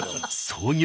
創業